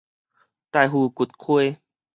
𩻸 魚堀溪